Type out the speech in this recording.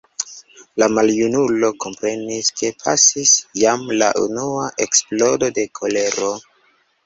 La maljunulo komprenis, ke pasis jam la unua eksplodo de kolero.